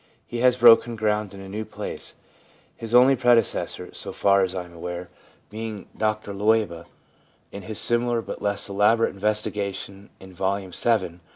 He has broken ground in a new place, his only predecessor (so far as I am aware) being Dr Leuba, in his similar but less elaborate investigation in Volume VII.